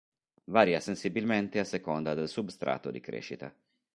Varia sensibilmente a seconda del substrato di crescita.